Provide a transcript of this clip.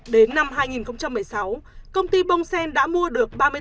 đến năm hai nghìn một mươi sáu công ty bông sen đặt tổ hợp đài u hà nội